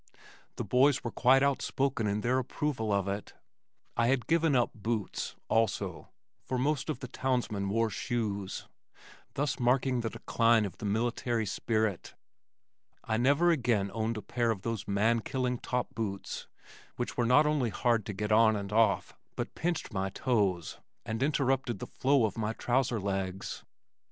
The boys were quite outspoken in their approval of it. I had given up boots, also, for most of the townsmen wore shoes, thus marking the decline of the military spirit. I never again owned a pair of those man killing top boots which were not only hard to get on and off but pinched my toes, and interrupted the flow of my trouser legs.